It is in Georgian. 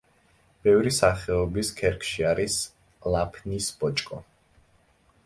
ბევრი სახეობის ქერქში არის ლაფნის ბოჭკო.